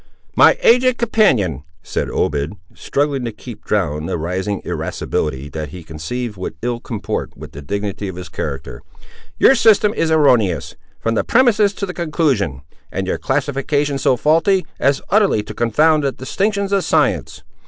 "My aged companion," said Obed, struggling to keep down a rising irascibility, that he conceived would ill comport with the dignity of his character, "your system is erroneous, from the premises to the conclusion; and your classification so faulty, as utterly to confound the distinctions of science.